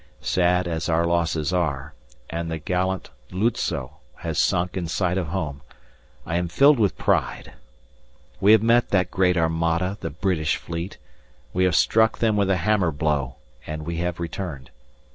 Sad as our losses are and the gallant Lutzow has sunk in sight of home I am filled with pride. We have met that great armada the British Fleet, we have struck them with a hammer blow and we have returned.